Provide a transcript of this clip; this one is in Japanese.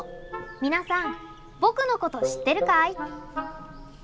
皆さん僕のこと知ってるかい？